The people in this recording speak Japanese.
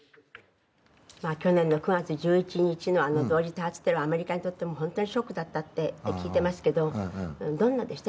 去年の９月１１日のあの同時多発テロアメリカにとっても本当にショックだったって聞いてますけどどんなでした？